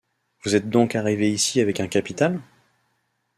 Vous êtes donc arrivé ici avec un capital ?